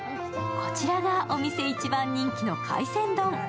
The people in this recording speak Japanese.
こちらがお店一番人気の海鮮丼。